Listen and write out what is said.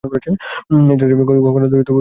এই জেলাটি গঙ্গা নদীর উত্তর পাড়ে অবস্থিত।